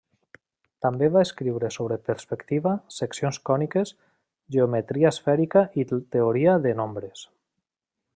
També va escriure sobre perspectiva, seccions còniques, geometria esfèrica i teoria de nombres.